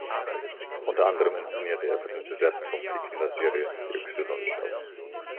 Unter anderem inszenierte er für den Südwestfunk die Kinderserie "Die Yxilon-Show.